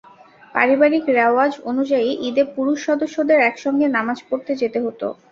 পারিবারিক রেওয়াজ অনুযায়ী ঈদে পুরুষ সদস্যদের একসঙ্গে নামাজ পড়তে যেতে হতো।